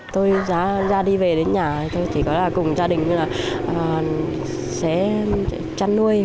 tôi ra đi về đến nhà tôi chỉ có là cùng gia đình là sẽ chăn nuôi